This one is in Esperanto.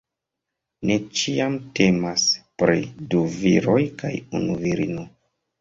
Ne ĉiam temas pri du viroj kaj unu virino.